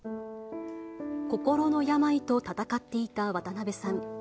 心の病と闘っていた渡辺さん。